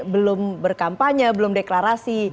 belum berkampanye belum deklarasi